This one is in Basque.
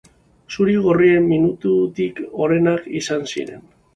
Zuri-gorrien minuturik onenak izan ziren.